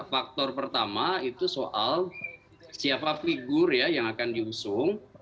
faktor pertama itu soal siapa figur ya yang akan diusung